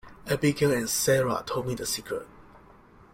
Abigail and Sara told me the secret.